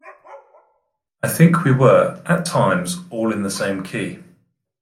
I think we were, at times, all in the same key.